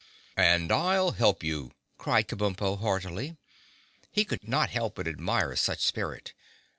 "And I'll help you!" cried Kabumpo heartily. He could not help but admire such spirit.